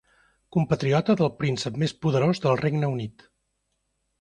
Compatriota del príncep més poderós del Regne Unit.